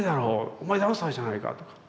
お前ダンサーじゃないか」とか。